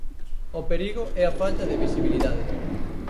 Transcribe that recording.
O perigo é a falta de visibilidade.